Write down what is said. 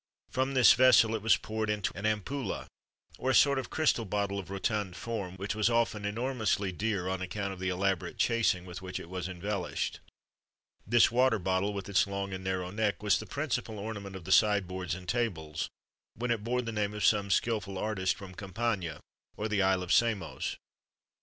[XXV 30] From this vessel, it was poured into an ampula, or a sort of crystal bottle of rotund form, which was often enormously dear on account of the elaborate chasing with which it was embellished.[XXV 31] This water bottle, with its long and narrow neck, was the principal ornament of the sideboards and tables, when it bore the name of some skilful artist from Campania or the Island of Samos.